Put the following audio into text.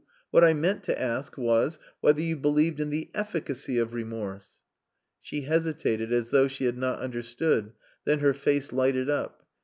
What I meant to ask was whether you believed in the efficacy of remorse?" She hesitated as though she had not understood, then her face lighted up.